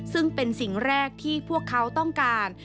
ซึ่งเป็นสิ่งแรกที่พวกเขาต้องการ